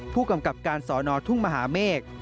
ผู้กำกับการสอนอทุ่งมหาเมฆ